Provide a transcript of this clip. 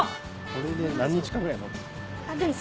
これで何日間ぐらいもつ？